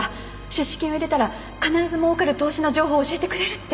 出資金を入れたら必ずもうかる投資の情報を教えてくれるって。